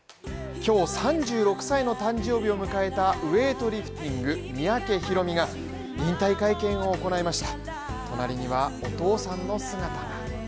今日３６歳の誕生日を迎えたウエイトリフティング三宅宏実が引退会見を行いました。